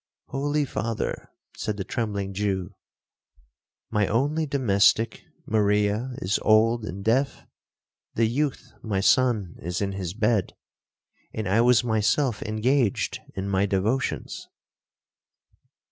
'—'Holy Father,' said the trembling Jew, 'my only domestic, Maria, is old and deaf, the youth my son is in his bed, and I was myself engaged in my devotions.'